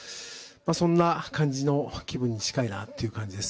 そんな感じの気分に近い感じです。